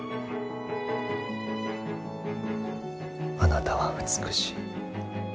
あなたは美しい。